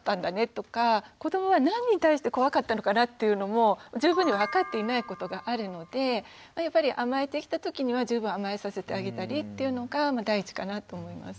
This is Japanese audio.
子どもは何に対して怖かったのかなっていうのも十分に分かっていないことがあるのでやっぱり甘えてきた時には十分甘えさせてあげたりっていうのが第一かなと思います。